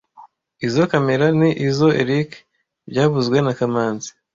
Izoi kamera ni izoa Eric byavuzwe na kamanzi